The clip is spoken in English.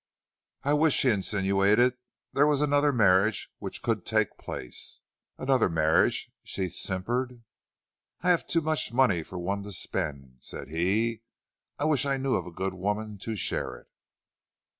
"I wish," he insinuated, "there was another marriage which could take place." "Another marriage?" she simpered. "I have too much money for one to spend," said he. "I wish I knew of a good woman to share it."